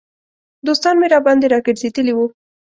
دوستان مې راباندې را ګرځېدلي وو.